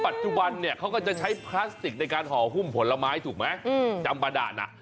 ปัจจุบันเนี่ยเขาก็จะใช้พลาสติกในการห่อหุ้มผลไม้ถูกไหมจำบาดาน